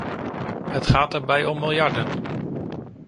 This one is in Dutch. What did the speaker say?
Het gaat daarbij om miljarden.